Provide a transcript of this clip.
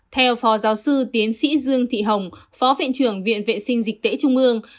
theo phó giáo sư tiến sĩ dương thị hồng phó viện trưởng viện vệ sinh dịch tễ trung ương